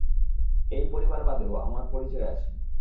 এই পরিবার বাদেও আমার পরিচয় আছে।